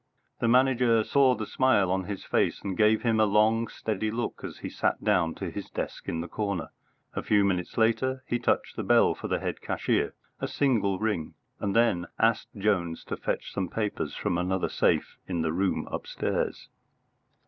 The Manager saw the smile on his face, and gave him a long steady look as he sat down to his desk in the corner. A few minutes later he touched the bell for the head cashier a single ring and then asked Jones to fetch some papers from another safe in the room upstairs.